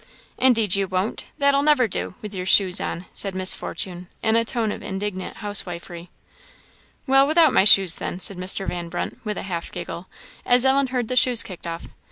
"Indeed you won't! That'll never do! With your shoes!" said Miss Fortune, in a tone of indignant housewifery. "Well, without my shoes, then," said Mr. Van Brunt, with a half giggle, as Ellen heard the shoes kicked off.